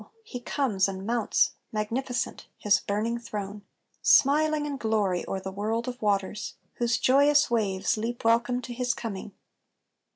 he comes And mounts, magnificent, his burning throne; Smiling in glory o'er the world of waters, Whose joyous waves leap welcome to his coming.